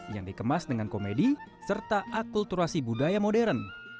yang dikemas dengan komedi serta akulturasi budaya modern